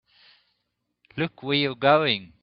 Look where you're going!